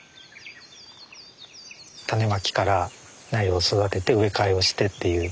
種まきから苗を育てて植え替えをしてっていう。